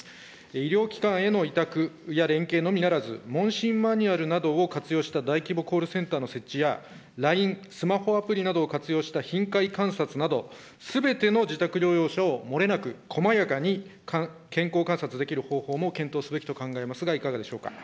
医療機関への委託や連携のみならず、問診マニュアルなどを活用した大規模コールセンターの設置や、ＬＩＮＥ、スマホアプリなどを活用した頻回観察など、すべての自宅療養者を漏れなく、こまやかに健康観察できる方法も検討すべきと考えますが、いかがでしょうか。